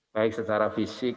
baik secara fisik